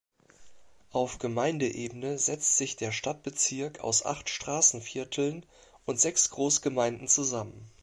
Auf Gemeindeebene setzt sich der Stadtbezirk aus acht Straßenvierteln und sechs Großgemeinden zusammen.